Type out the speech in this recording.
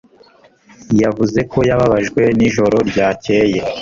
yavuze ko yababajwe nijoro ryakeye.